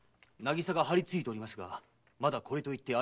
渚が張りついておりますがまだこれといって怪しい動きは。